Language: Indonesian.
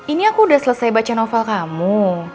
ini aku udah selesai baca novel kamu